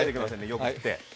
よく振って。